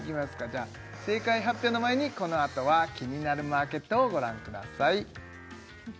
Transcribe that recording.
じゃあ正解発表の前にこのあとは「キニナルマーケット」をご覧ください